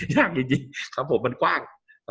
ยากจริงครับผมมันกว้าง